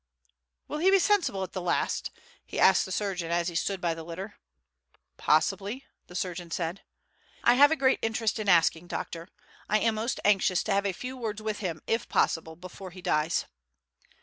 "Will he be sensible at the last?" he asked the surgeon as he stood by the litter. "Possibly," the surgeon said. "I have a great interest in asking, doctor; I am most anxious to have a few words with him if possible before he dies."